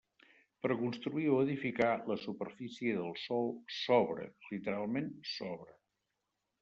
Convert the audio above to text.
Per a construir o edificar, la superfície del sòl sobra, literalment sobra.